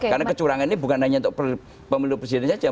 karena kecurangan ini bukan hanya untuk pemilu presiden saja